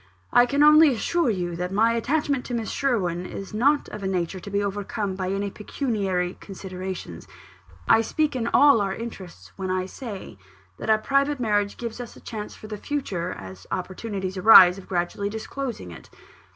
"I can only assure you that my attachment to Miss Sherwin is not of a nature to be overcome by any pecuniary considerations. I speak in all our interests, when I say that a private marriage gives us a chance for the future, as opportunities arise of gradually disclosing it.